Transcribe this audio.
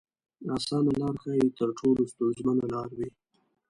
اسانه لار ښايي تر ټولو ستونزمنه لار وي.